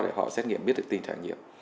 để họ xét nghiệm biết được tình trạng nhiễm